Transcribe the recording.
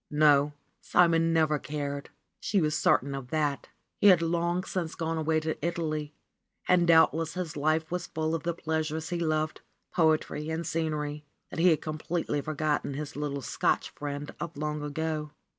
No, Simon never cared, she was certain of that. He had long since gone away to Italy, and doubtless his life was 30 full of the pleasures he loved, poetry and scenery, that he had completely forgotten his little Scotch friend of long ago.